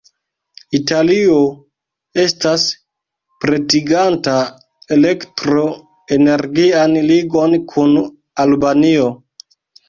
Italio estas pretiganta elektro-energian ligon kun Albanio.